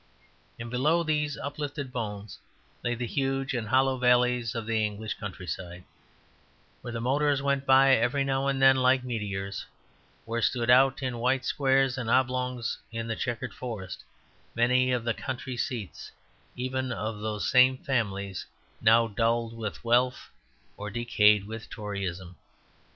And below these uplifted bones lay the huge and hollow valleys of the English countryside, where the motors went by every now and then like meteors, where stood out in white squares and oblongs in the chequered forest many of the country seats even of those same families now dulled with wealth or decayed with Toryism.